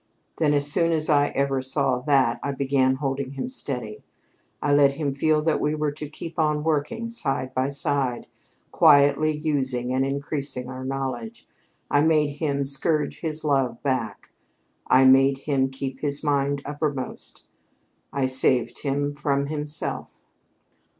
Then, as soon as ever I saw that, I began holding him steady. I let him feel that we were to keep on working side by side, quietly using and increasing our knowledge. I made him scourge his love back; I made him keep his mind uppermost; I saved him from himself."